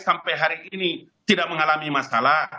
sampai hari ini tidak mengalami masalah